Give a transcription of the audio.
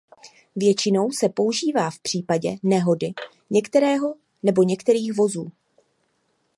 Většinou se používá v případě nehody některého nebo některých vozů.